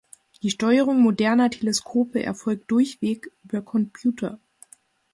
Die Steuerung moderner Teleskope erfolgt durchweg über Computer.